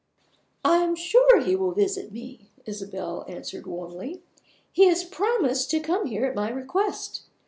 "I am sure he will visit me," Isabel answered warmly. "He has promised to come here at my request.